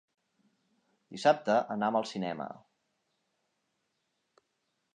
Dissabte anam al cinema.